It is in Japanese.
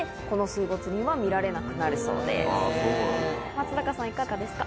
松坂さんいかがですか？